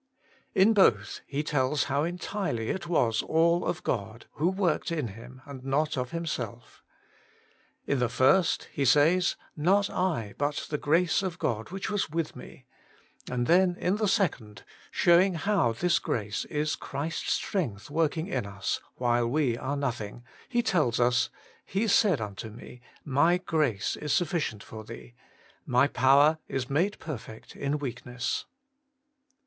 In both he tells how entirely it was all of God, who worked in Him, and not of himself. In the first he says :* Not I, but the grace of God which was with me.' And then in the second, showing how this grace is Christ's strength working in us, while we are nothing, he tells us : 'He said unto me : My grace is sufficient for thee : My power is made per fect in weakness.'